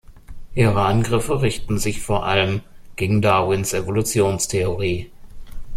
Ihre Angriffe richten sich vor allem gegen Darwins Evolutionstheorie.